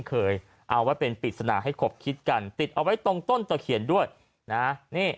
เคยเอาไว้เป็นปริศนาให้ขบคิดกันติดเอาไว้ตรงต้นตะเขียนด้วยนะนี่